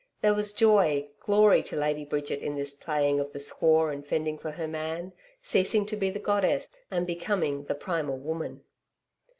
There was joy, glory to Lady Bridget in this playing of the squaw and fending for her man, ceasing to be the goddess and becoming the primal woman.